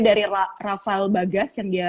dari rafael bagas yang dia